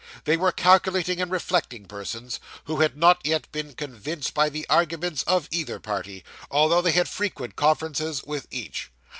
They were calculating and reflecting persons, who had not yet been convinced by the arguments of either party, although they had frequent conferences with each.